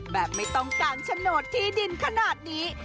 แบบไม่ต้องการโฉนดที่ดินขนาดนี้